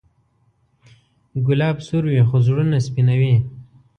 ګلاب سور وي، خو زړونه سپینوي.